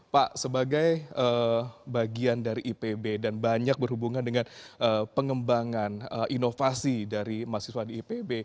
pak sebagai bagian dari ipb dan banyak berhubungan dengan pengembangan inovasi dari mahasiswa di ipb